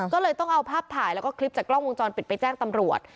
ก็เลยต้องเอาภาพถ่ายแล้วก็คลิปจากกล้องวงจรปิดไปแจ้งตำรวจ